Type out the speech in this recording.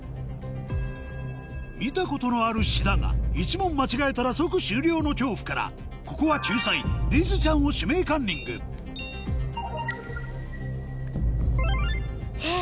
見たことのある詩だが１問間違えたら即終了の恐怖からここは救済りづちゃんを指名カンニングへぇ！